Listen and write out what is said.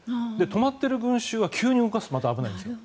止まってる群衆は急に動かすとまた危ないんです。